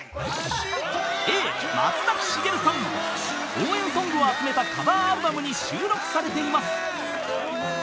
［応援ソングを集めたカバーアルバムに収録されています］